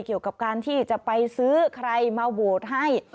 เกี่ยวกับการที่จะไปซื้อใครมาโหวตให้